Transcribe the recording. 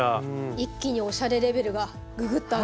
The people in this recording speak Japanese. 一気におしゃれレベルがググッと上がりましたね。